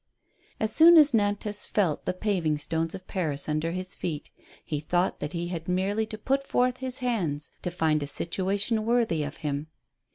As soon as Kantas felt the paving stones of Paris under his feet, he thought that he had merely to put forth his hands to find a situation worthy of him.